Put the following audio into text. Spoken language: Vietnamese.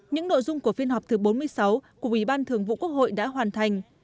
những nội dung của phiên họp thứ bốn mươi sáu của ủy ban thường vụ quốc hội đã hoàn thành